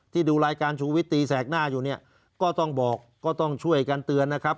ดูรายการชูวิตตีแสกหน้าอยู่เนี่ยก็ต้องบอกก็ต้องช่วยกันเตือนนะครับ